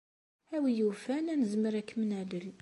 A win yufan, ad nezmer ad kem-nalel.